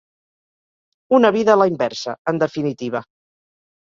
Una vida a la inversa, en definitiva.